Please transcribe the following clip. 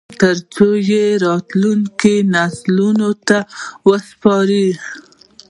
ترڅو یې راتلونکو نسلونو ته وسپاري